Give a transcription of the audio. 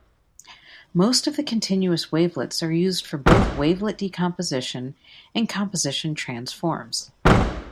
Most of the continuous wavelets are used for both wavelet decomposition and composition transforms.